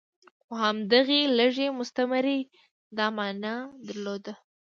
خو همدغې لږې مستمرۍ دا معنی درلوده.